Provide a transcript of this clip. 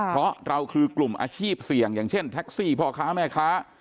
เพราะเราคือกลุ่มอาชีพเสี่ยงอย่างเช่นแท็กซี่พ่อค้าแม่ค้า